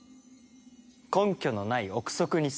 根拠のない臆測にすぎない。